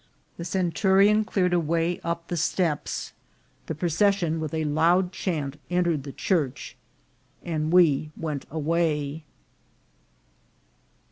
The cen turion cleared a way up the steps ; the procession, with a loud chant, entered the church, and we went away.